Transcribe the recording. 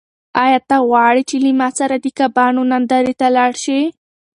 آیا ته غواړې چې له ما سره د کبانو نندارې ته لاړ شې؟